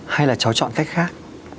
hay là cháu chọn cách khác